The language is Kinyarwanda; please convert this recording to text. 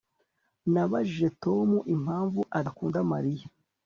Nabajije Tom impamvu adakunda Mariya